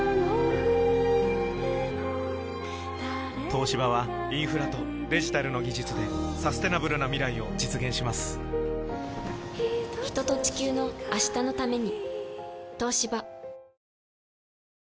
東芝はインフラとデジタルの技術でサステナブルな未来を実現します人と、地球の、明日のために。